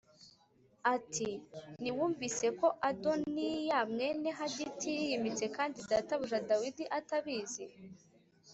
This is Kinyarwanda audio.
ati “Ntiwumvise ko Adoniya mwene Hagiti yiyimitse kandi databuja Dawidi atabizi?